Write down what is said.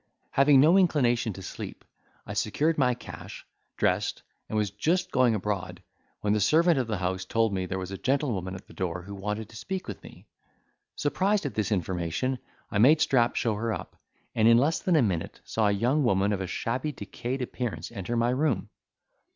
Having no inclination to sleep, I secured my cash, dressed, and was just going abroad, when the servant of the house told me, there was a gentlewoman at the door who wanted to speak with me. Surprised at this information, I made Strap show her up, and in less than a minute, saw a young woman of a shabby decayed appearance enter my room.